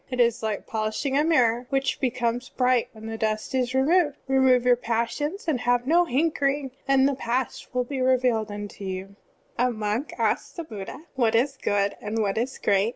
It is like polishing a mirror, which becomes bright when the dust is removed. Remove yotir pas sions, and have no hankering, and the past will be revealed tmto you." (14) A monk asked the Buddha: "What is good, and what is great?"